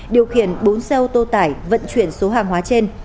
điều khiển bốn xe ô tô tải vận chuyển số hàng hóa trên